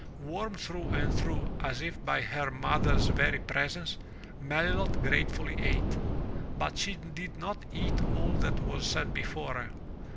Warmed through and through as if by her mother's very presence, Melilot gratefully ate. But she did not eat all that was set before her.